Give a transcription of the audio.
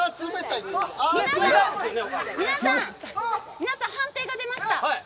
皆さん、判定が出ました。